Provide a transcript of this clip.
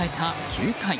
９回。